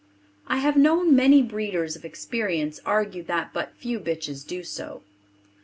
I have known many breeders of experience argue that but few bitches do so.